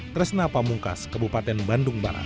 tresna pamungkas kebupaten bandung barat